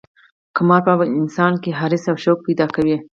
قمار په انسان کې حرص او شوق پیدا کوي.